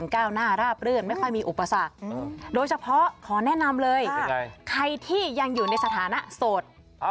ใครที่ยังอยู่ในสถานะโสด